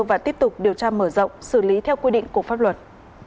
và tiếp tục điều tra mở rộng xử lý theo quy định của pháp luật